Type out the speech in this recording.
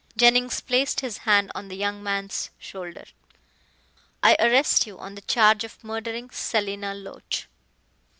Jennings placed his hand on the young man's shoulder. "I arrest you on the charge of murdering Selina Loach!"